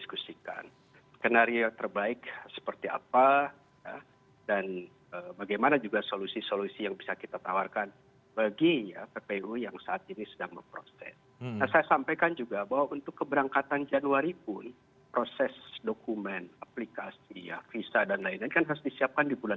kami juga melihat di beberapa negara seperti itu payah